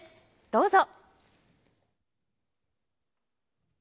どうぞ。